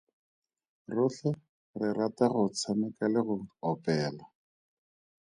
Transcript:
Rotlhe re rata go tshameka le go opela.